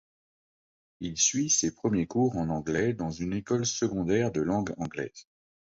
Il suit ses premiers cours en anglais dans une école secondaire de langue anglaise.